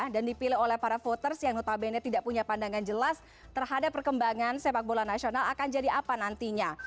dan dipilih oleh para voters yang notabene tidak punya pandangan jelas terhadap perkembangan sepak bola nasional akan jadi apa nantinya